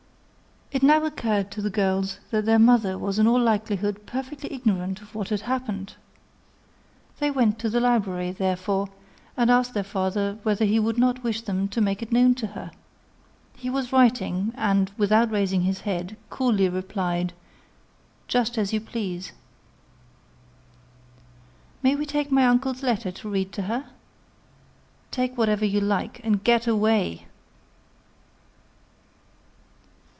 It now occurred to the girls that their mother was in all likelihood perfectly ignorant of what had happened. They went to the library, therefore, and asked their father whether he would not wish them to make it known to her. He was writing, and, without raising his head, coolly replied, "Just as you please." "May we take my uncle's letter to read to her?" "Take whatever you like, and get away."